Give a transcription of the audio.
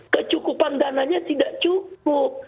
kecukupan dananya tidak cukup